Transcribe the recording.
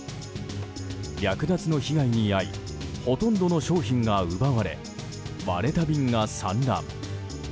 略奪の被害に遭いほとんどの商品が奪われ割れた瓶が散乱。